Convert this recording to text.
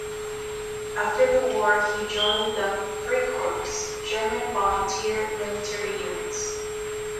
After the war he joined the Freikorps (German volunteer military units).